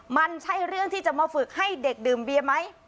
มันใช่เรื่องที่จะมาฝึกให้เด็กดื่มเบียร์ไหม